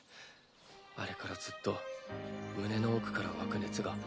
あれからずっと胸の奥から湧く熱がんん！